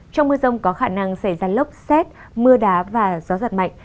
trong mưa rông có khả năng xảy ra lốc xét mưa đá và gió giật mạnh